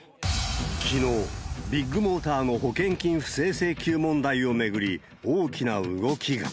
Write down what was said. きのう、ビッグモーターの保険金不正請求問題を巡り、大きな動きが。